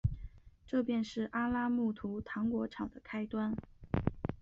这便是阿拉木图糖果厂的开端。